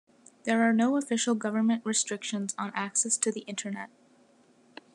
There are no official government restrictions on access to the Internet.